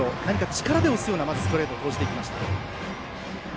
力で押すようなストレートを投じていきました。